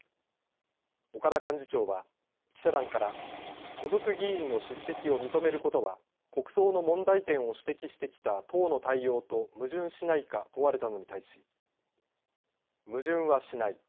岡田幹事長は記者団から所属議員の出席を認めることは国葬の問題点を指摘してきた党の対応と矛盾しないか問われたのに対し矛盾はしない。